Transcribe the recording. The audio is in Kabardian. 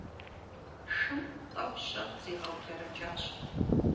Шым тӀэу-щэ зигъэублэрэкӀащ.